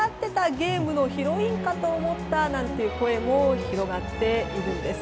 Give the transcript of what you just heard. ゲームのヒロインかと思ったなんていう声も広がっているんです。